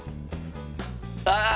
ああ！